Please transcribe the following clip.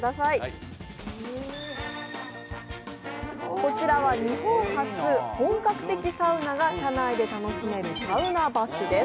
こちらは日本初、本格的サウナが車内で楽しめるサウナバスです。